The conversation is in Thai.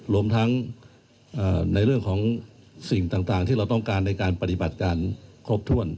รวมทั้งในเรื่องของสิ่งต่างที่เราต้องการในการปฏิบัติการครบถ้วน